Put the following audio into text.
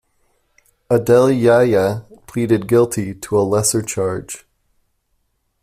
Adel Yahya pleaded guilty to a lesser charge.